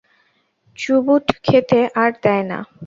Chubut খেতে, আর দেয় না।